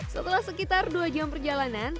setelah sekitar dua jam perjalanan